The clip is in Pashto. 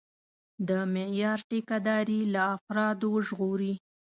د معیار ټیکهداري له افرادو وژغوري.